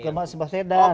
bukan pak anies beswedan